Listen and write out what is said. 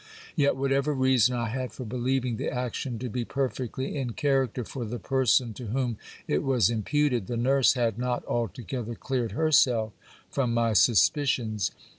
Yet whatever reason I had for believing the action to be per fectly in character for the person to whom it was imputed, the nurse had not altogether cleared herself from my suspicions.